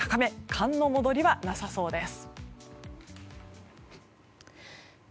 寒の戻りはなさそうです。